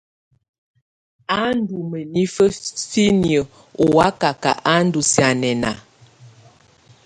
Ú ndú mǝnifǝ finiǝ́ ɔ́ wakaka ú ndú sianɛna.